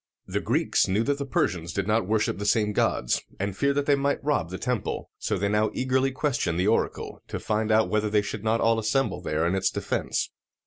The Greeks knew that the Persians did not worship the same gods, and feared that they might rob the temple: so they now eagerly questioned the oracle, to find out whether they should not all assemble there in its defense.